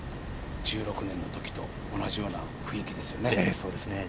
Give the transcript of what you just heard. １５年のときと同じような雰囲気ですよね。